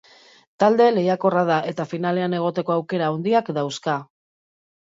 Talde lehiakorra da eta finalean egoteko aukera handiak dauzka.